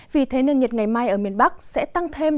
vì thế nền nhiệt ngày mai ở miền bắc sẽ tăng thêm